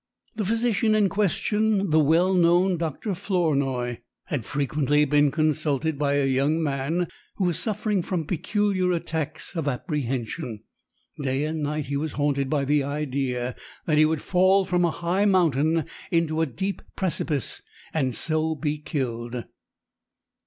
The physician in question, the well known Dr. Flournoy, had frequently been consulted by a young man who was suffering from peculiar attacks of apprehension. Day and night he was haunted by the idea that he would fall from a high mountain into a deep precipice, and so be killed.